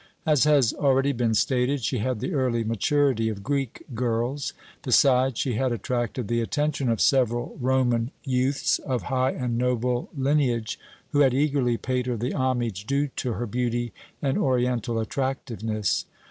As has already been stated, she had the early maturity of Greek girls. Besides, she had attracted the attention of several Roman youths of high and noble lineage, who had eagerly paid her the homage due to her beauty and oriental attractiveness.